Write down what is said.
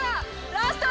ラスト！